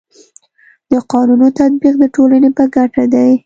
د قانونو تطبیق د ټولني په ګټه دی.